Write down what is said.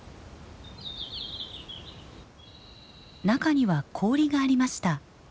中には氷がありました。